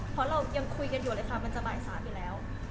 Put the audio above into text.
เพราะเรายังคุยกันอยู่เลยค่ะมันจะบ่าย๓อยู่แล้ว